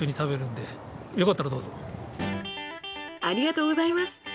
ありがとうございます。